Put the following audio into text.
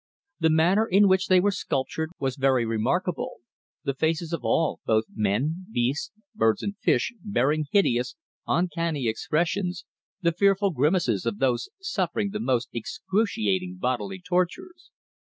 The manner in which they were sculptured was very remarkable, the faces of all, both men, beasts, birds and fish, bearing hideous, uncanny expressions, the fearful grimaces of those suffering the most excruciating bodily tortures.